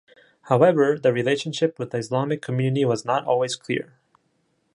However, the relationship with the Islamic community was not always clear.